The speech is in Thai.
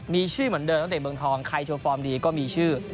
มีชื่อเหมือนเดิมตั้งแต่เมืองทองใครโชว์ฟอร์มดีก็มีชื่อ